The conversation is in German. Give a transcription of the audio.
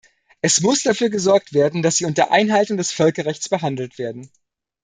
Es muss dafür gesorgt werden, dass sie unter Einhaltung des Völkerrechts behandelt werden.